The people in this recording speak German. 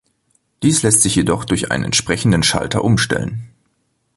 Dies lässt sich jedoch durch einen entsprechenden Schalter umstellen.